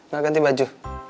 gak ganti baju